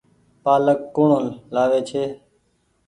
پآلڪ ڪوڻ لآوي ڇي۔